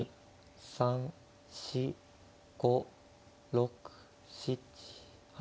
３４５６７８。